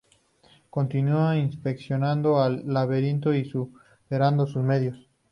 Continúo inspeccionando el laberinto y superando sus miedos.